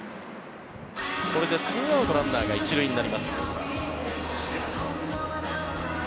これで２アウトランナーが１塁になります。